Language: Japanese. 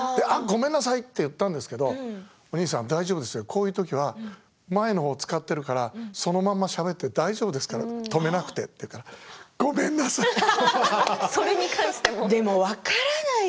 ああ、ごめんなさいって言ったんですけどお兄さん、大丈夫ですよこういうときは前のを使ってるからそのまましゃべって大丈夫ですからと止めなくて、ごめんなさい。